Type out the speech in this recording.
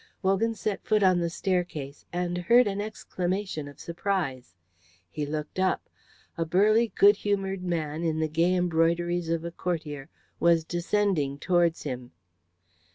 Wogan set foot on the staircase and heard an exclamation of surprise. He looked up. A burly, good humoured man in the gay embroideries of a courtier was descending towards him.